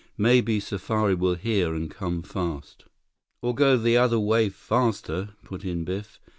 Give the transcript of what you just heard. "Maybe safari will hear and come fast." "Or go the other way faster," put in Biff.